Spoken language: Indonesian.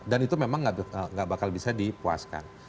dan itu memang gak bakal bisa dipuaskan